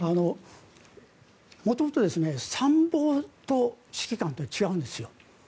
元々、参謀と指揮官って違うんですよ。